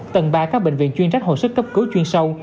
tầng ba các bệnh viện chuyên trách hồi sức cấp cứu chuyên sâu